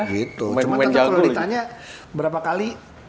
cuman tentu kalo ditanya berapa kali